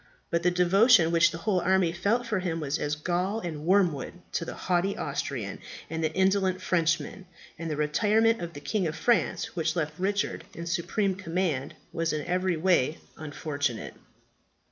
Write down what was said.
But the devotion which the whole army felt for him was as gall and wormwood to the haughty Austrian and the indolent Frenchman; and the retirement of the King of France, which left Richard in supreme command, was in every way unfortunate."